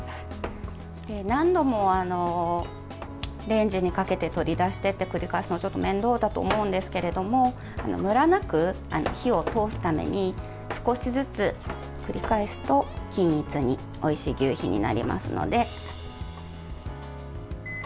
何度もレンジにかけて取り出してって繰り返すのちょっと面倒だと思うんですけどムラなく火を通すために少しずつ繰り返すと均一においしい求肥になりますので。